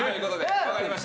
わかりました！